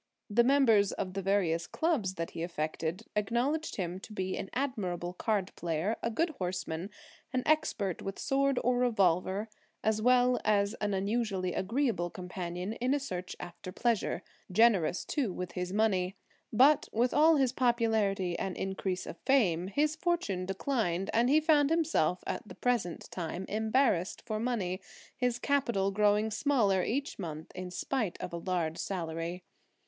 The members of the various clubs that he affected acknowledged him to be an admirable card player, a good horseman, an expert with sword or revolver, as well as an unusually agreeable companion in a search after pleasure; generous, too, with his money. But with all his popularity and increase of fame, his fortune declined, and he found himself at the present time embarrassed for money, his capital growing smaller each month in spite of a large salary.